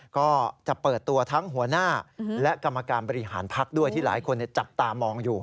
ก็จะเปิดตัวทั้งหัวหน้าและกรรมการบริหารพักด้วยที่หลายคนจับตามองอยู่